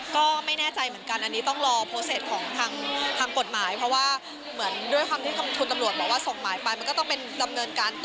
ก็ไม่แน่ใจเหมือนกัน